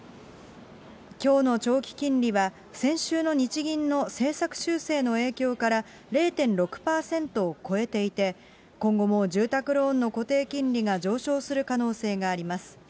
きょうの長期金利は、先週の日銀の政策修正の影響から０．６％を超えていて、今後も住宅ローンの固定金利が上昇する可能性があります。